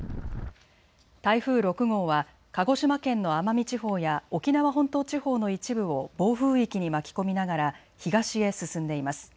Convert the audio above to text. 台風６号は鹿児島県の奄美地方や沖縄本島地方の一部を暴風域に巻き込みながら東へ進んでいます。